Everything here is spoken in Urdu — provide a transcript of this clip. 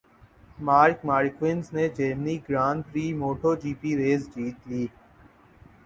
مارک مارکوئز نے جرمنی گران پری موٹو جی پی ریس جیت لی